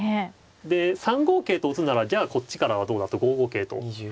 で３五桂と打つならじゃあこっちからはどうだと５五桂と。